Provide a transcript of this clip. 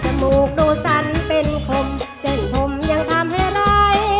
จมูกดูสันเป็นขมเจนผมยังทำให้ร้าย